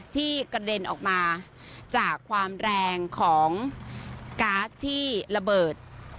กระเด็นออกมาจากความแรงของก๊าซที่ระเบิด